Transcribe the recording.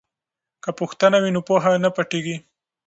که پوښتنه وي نو پوهه نه پټیږي.